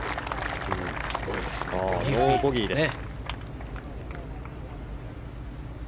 ノーボギーです。